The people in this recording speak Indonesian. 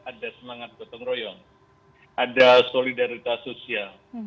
ada semangat gotong royong ada solidaritas sosial